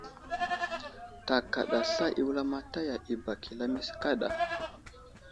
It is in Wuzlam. Ta kaɗa sla i wulamataya i bak i lamise kaɗa.